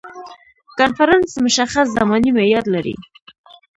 کنفرانس مشخص زماني معیاد لري.